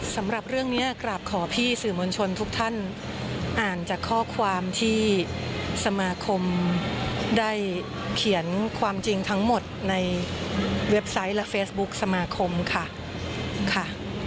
สำหรับเรื่องนี้กราบขอพี่สื่อมวลชนทุกท่านอ่านจากข้อความที่สมาคมได้เขียนความจริงทั้งหมดในเว็บไซต์และเฟซบุ๊คสมาคมค่ะ